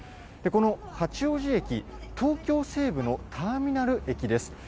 この八王子駅、東京西部のターミナル駅です。